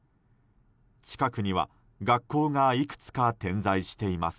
近くには、学校がいくつか点在しています。